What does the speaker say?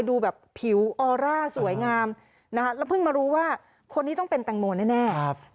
แล้วพึ่งมารู้ว่าคนนี่ต้องเป็นแตงโม่แน่